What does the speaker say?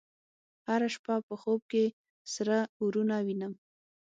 هره شپه په خوب کې سره اورونه وینم